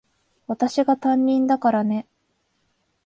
私が担任だからね。